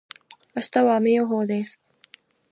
明日は雨予報です。